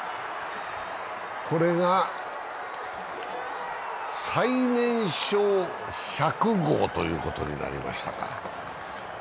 これが最年少１００号ということになりました。